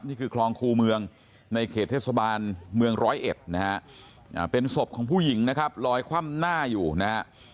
นี่คือคลองคู่เมืองในเขตเทศบาลเมืองร้อยเอ็ดนะฮะเป็นศพของผู้หญิงนะครับลอยคว่ำหน้าอยู่นะฮะ